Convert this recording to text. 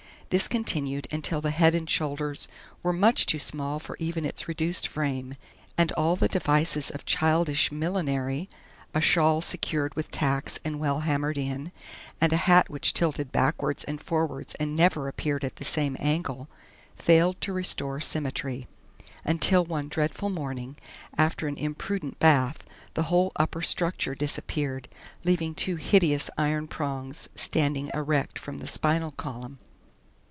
This continued until the head and shoulders were much too small for even its reduced frame, and all the devices of childish millinery a shawl secured with tacks and well hammered in, and a hat which tilted backward and forward and never appeared at the same angle failed to restore symmetry. Until one dreadful morning, after an imprudent bath, the whole upper structure disappeared, leaving two hideous iron prongs standing erect from the spinal column.